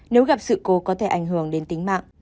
nếu gặp sự cố có thể ảnh hưởng đến tính mạng